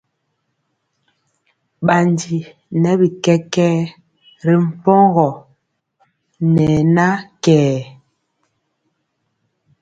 Bandi nɛ bi kɛkɛɛ ri mpogɔ ne na kɛɛr.